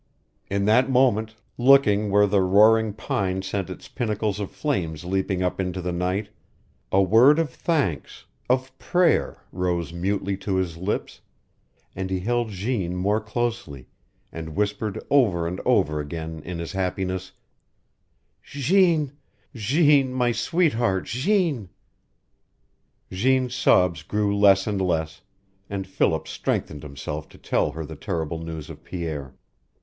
In that moment, looking where the roaring pine sent its pinnacles of flame leaping up into the night, a word of thanks, of prayer, rose mutely to his lips, and he held Jeanne more closely, and whispered over and over again in his happiness, "Jeanne Jeanne my sweetheart Jeanne." Jeanne's sobs grew less and less, and Philip strengthened himself to tell her the terrible news of Pierre.